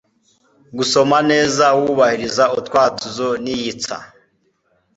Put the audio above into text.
Gusoma neza wubahiriza utwatuzo n'iyitsa.